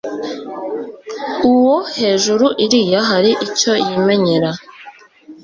uwo hejuru iriya hari icyo yimenyera